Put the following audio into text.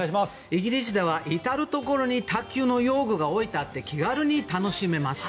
イギリスでは至るところに卓球の用具が置いてあって気軽に楽しめます。